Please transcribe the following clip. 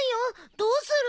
どうする？